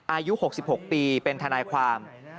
อายุ๖๖ปีเป็นทนายความ